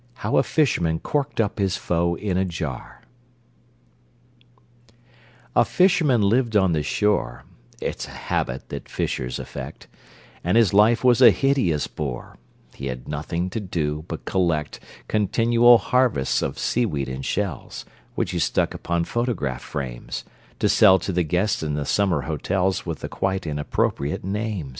How a Fisherman Corked up His Foe in a Jar A fisherman lived on the shore, (It's a habit that fishers affect,) And his life was a hideous bore: He had nothing to do but collect Continual harvests of seaweed and shells, Which he stuck upon photograph frames, To sell to the guests in the summer hotels With the quite inappropriate names!